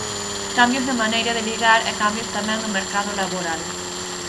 Cambios na maneira de ligar e cambios tamén no mercado laboral.